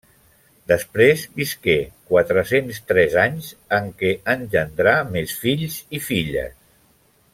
Després visqué quatre-cents tres anys, en què engendrà més fills i filles.